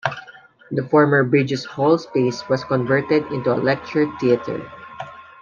The former Bridges Hall space was converted into a lecture theatre.